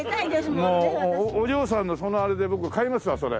もうお嬢さんのそのあれで僕買いますわそれ。